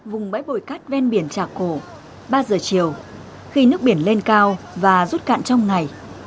vùng bãi bồi cát ven biển trà cổ ba giờ chiều khi nước biển lên cao và rút cạn trong ngày